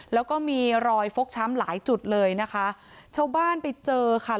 แล้วก็มีรอยฟกช้ำหลายจุดเลยนะคะชาวบ้านไปเจอค่ะ